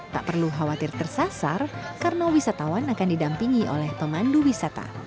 tak perlu khawatir tersasar karena wisatawan akan didampingi oleh pemandu wisata